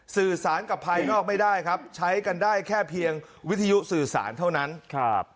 สื่อสารกับภายนอกไม่ได้ครับใช้กันได้แค่เพียงวิทยุสื่อสารเท่านั้นครับ